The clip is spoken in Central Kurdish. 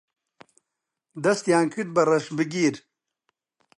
دەستیان کرد بە ڕەشبگیر